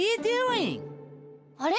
あれ？